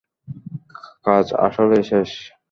কাজ আসলেই শেষ।